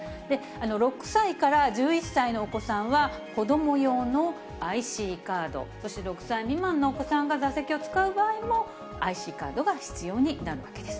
６歳から１１歳のお子さんは、子ども用のＩＣカード、そして６歳未満のお子さんが座席を使う場合もＩＣカードが必要になるわけです。